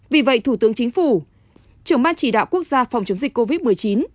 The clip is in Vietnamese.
vì vậy thủ tướng chính phủ trưởng ban chỉ đạo quốc gia phòng chống dịch covid một mươi chín